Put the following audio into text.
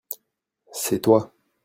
c'est toi.